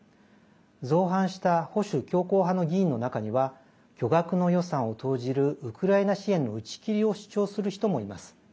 造反した保守強硬派の議員の中には巨額の予算を投じるウクライナ支援の打ち切りを主張する人もいます。